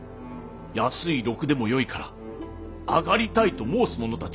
安い禄でもよいから上がりたいと申す者たちも多くおりますし。